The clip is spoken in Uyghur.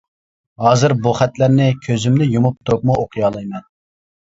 ھازىر بۇ خەتلەرنى كۆزۈمنى يۇمۇپ تۇرۇپمۇ ئوقۇيالايمەن.